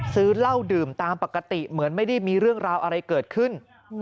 ซื้อเหล้าดื่มตามปกติเหมือนไม่ได้มีเรื่องราวอะไรเกิดขึ้น